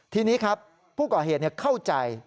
ทีนี้ครับผู้ก่อเหตุเข้าใจ